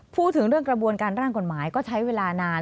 พูดถึงเรื่องกระบวนการร่างกฎหมายก็ใช้เวลานาน